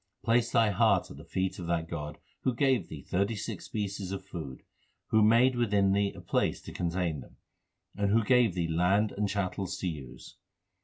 Place thy heart at the feet of that God Who gave thee thirty six species of food, Who made within thee a place to contain them, And who gave thee land and chattels to use.